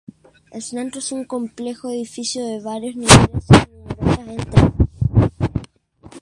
El centro es un complejo edificio de varios niveles y numerosas entradas.